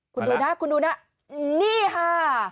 คุณดูนะคุณดูนะนี่ค่ะ